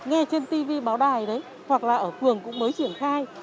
nghe trên tv báo đài đấy hoặc là ở phường cũng mới triển khai